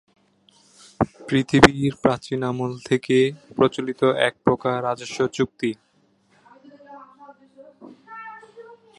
পৃথিবীর প্রাচীন আমল থেকে প্রচলিত এক প্রকার রাজস্ব চুক্তি।